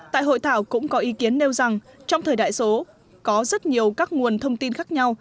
tại hội thảo cũng có ý kiến nêu rằng trong thời đại số có rất nhiều các nguồn thông tin khác nhau